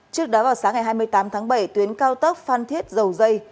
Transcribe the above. trước đó vào sáng ngày hai mươi tám tháng bảy tuyến cao tốc phan thiết dầu dây